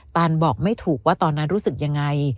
ตันบอกไม่ถูกว่าตอนนั้นรู้สึกยังไง